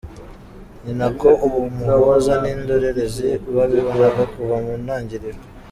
Ni nako umuhuza n’indorerezi babibonaga kuva mu ntangiriro.